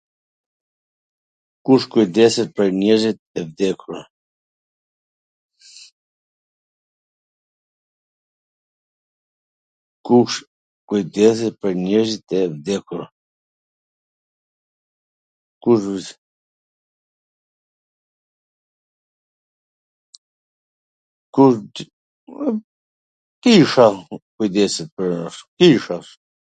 Kush kujdeset pwr njerzit e vdekur? Kisha kujdeset pwr... kisha...